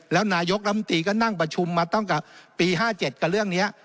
แล้วนายกรรมตรีก็นั่งประชุมมาตั้งแต่ปี๕๗กับเรื่องนี้